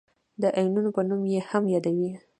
د آیونونو په نوم یې هم یادوي.